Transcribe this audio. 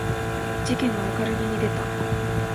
事件が明るみに出た